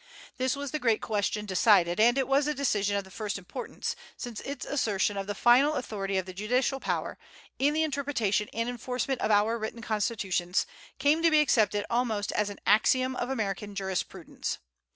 This was the great question decided, and it was a decision of the first importance, since its assertion of the final authority of the judicial power, in the interpretation and enforcement of our written constitutions, came to be accepted almost as an axiom of American jurisprudence.